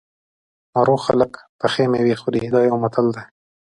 ناروغ خلک پخې مېوې خوري دا یو متل دی.